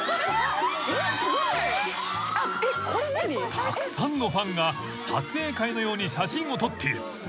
［たくさんのファンが撮影会のように写真を撮っている］